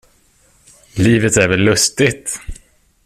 Livet är väl lustigt?